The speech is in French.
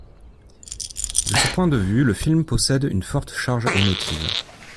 De ce point de vue, le film possède une forte charge émotive.